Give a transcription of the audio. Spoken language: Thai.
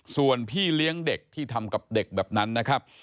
ส่วนพี่เลี้ยงเด็กที่ทำกับเด็กแบบนั้นนะครับ